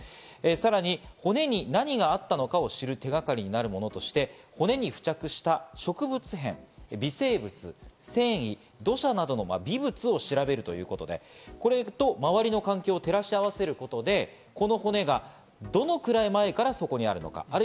さらに骨に何があったのかを知る手がかりになるものとして骨に付着した植物片、微生物、繊維、土砂などの微物を調べるということでこれと周りの環境を照らし合わせることで、この骨がどのくらい前からそこにあるのか。